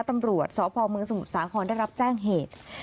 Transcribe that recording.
ตำรวจสพเมืองสมุทรสาครได้รับแจ้งเหตุ